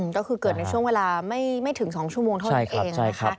ก็คือเกิดในช่วงเวลาไม่ถึง๒ชั่วโมงเท่านั้นเองนะคะ